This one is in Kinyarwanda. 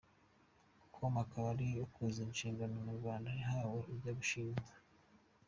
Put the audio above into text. com, akaba ari ukuzuza inshingano Inyarwanda yihaye ijya gushingwa.